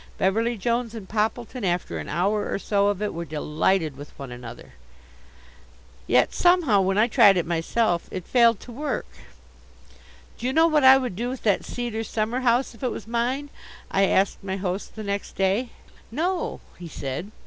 Beverly Jones and Poppleton, after an hour or so of it, were delighted with one another. Yet somehow, when I tried it myself, it failed to work. "Do you know what I would do with that cedar summer house if it was mine?" I asked my host the next day. "No," he said.